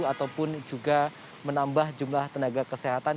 ataupun juga menambah jumlah tenaga kesehatan